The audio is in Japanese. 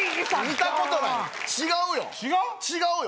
見たことない違うよ違う？